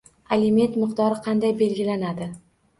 Aliment miqdori qanday belgilanadi?